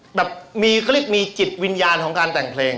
แบบมีเขาเรียกมีจิตวิญญาณของการแต่งเพลง